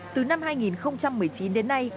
từ năm hai nghìn một mươi chín đến nay